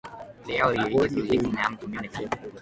The area is a climax community.